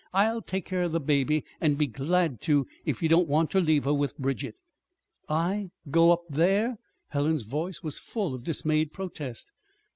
I'll take care of the baby, an' be glad to, if you don't want ter leave her with Bridget." "I go up there?" Helen's voice was full of dismayed protest.